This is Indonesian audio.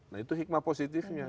nah itu hikmah positifnya